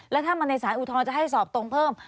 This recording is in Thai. แล้วถ้ามันในสารอุทธรณ์จะให้สอบตรงเพิ่ม